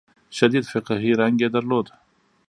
شدید فقهي رنګ یې درلود.